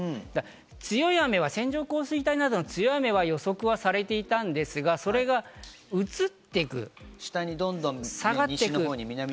強い雨は線状降水帯などの強い雨が予測されていたんですが、それが移ってくる、下がってくる。